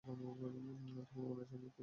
তোমার মনে আছে আমি কেমন ছিলাম?